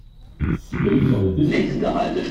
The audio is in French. Cydalise en était sûre.